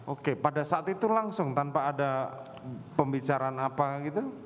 oke pada saat itu langsung tanpa ada pembicaraan apa gitu